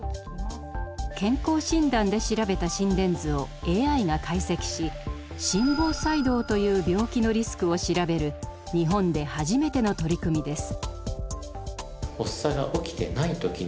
健康診断で調べた心電図をＡＩが解析し心房細動という病気のリスクを調べる日本で初めての取り組みです。